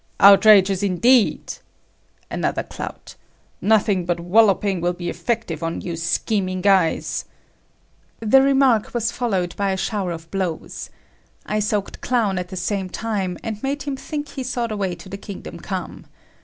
"Outrageous indeed!" Another clout. "Nothing but wallopping will be effective on you scheming guys." The remark was followed by a shower of blows. I soaked Clown at the same time, and made him think he saw the way to the Kingdom Come.